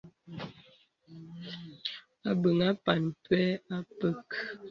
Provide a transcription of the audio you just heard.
Àbə̀ŋ àpàn mpɛ̄ à pə̀k.